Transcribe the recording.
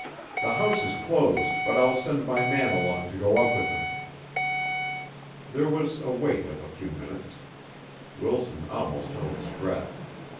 The house is closed, but I'll send my man along to go up with him." There was a wait of a few minutes. Wilson almost held his breath.